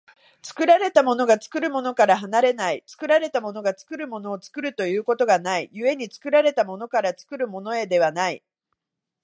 作られたものが作るものから離れない、作られたものが作るものを作るということがない、故に作られたものから作るものへではない。